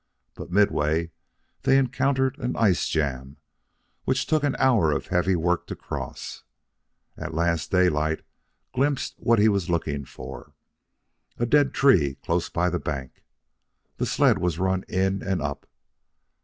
But midway they encountered an ice jam which took an hour of heavy work to cross. At last Daylight glimpsed what he was looking for, a dead tree close by the bank. The sled was run in and up.